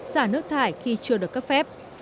xả nước thải khi chưa được cấp phép